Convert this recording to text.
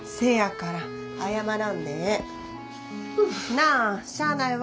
なあしゃあないわ。